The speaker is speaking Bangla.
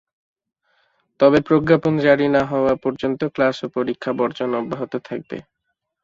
তবে প্রজ্ঞাপন জারি না হওয়া পর্যন্ত ক্লাস ও পরীক্ষা বর্জন অব্যাহত থাকবে।